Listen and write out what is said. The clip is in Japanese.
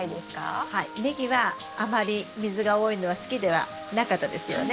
はいネギはあまり水が多いのは好きではなかったですよね？